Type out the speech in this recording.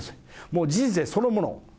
もう人生そのもの。